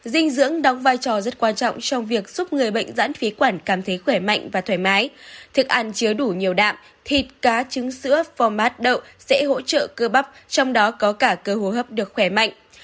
dinh dưỡng đóng vai trò rất quan trọng trong việc giúp người bệnh giãn phí quản cảm thấy khỏe mạnh và thoải mái thức ăn chứa đủ nhiều đạm thịt cá trứng sữa format đậu sẽ hỗ trợ cơ bắp trong đó có cả cơ hô hấp được khỏe mạnh